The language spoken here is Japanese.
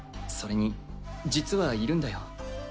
それに実はいるんだよ。